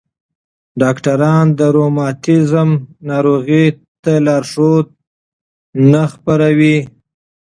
ډاکټران د روماتیزم ناروغۍ ته لارښود نه خپروي.